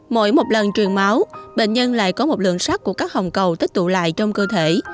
mỗi một lần truyền máu bệnh nhân lại có một lượng sắt của các hồng cầu tích tụ lại trong cơ thể